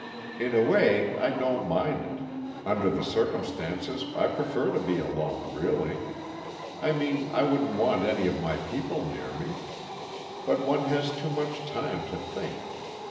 "In a way, I don't mind it under the circumstances I prefer to be alone, really. I mean, I wouldn't want any of my people near me. But one has too much time to think.